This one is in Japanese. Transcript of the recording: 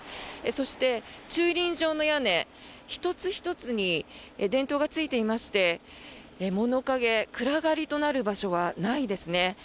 そして、駐輪場の屋根１つ１つに電灯がついていまして物陰、暗がりとなる場所はないですね。